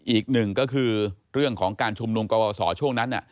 อีกหนึ่งก็คือเรื่องของการชุมนุมกวสอช่วงนั้น